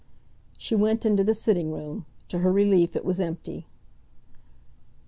She went into the sitting room. To her relief it was empty.